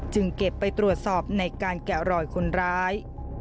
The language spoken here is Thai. เก็บไปตรวจสอบในการแกะรอยคนร้าย